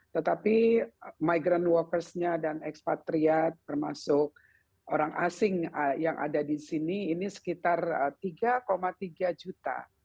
tetapi migrant walkersnya dan ekspatriat termasuk orang asing yang ada di sini ini sekitar tiga tiga juta